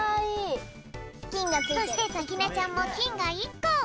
そしてさきねちゃんもきんが１こ。